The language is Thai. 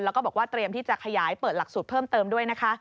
แล้วก็บอกว่าเตรียมที่จะขยายเปิดหลักสูตรเพิ่มเติมด้วยนะคะ